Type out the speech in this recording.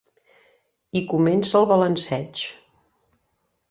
I comença el balanceig.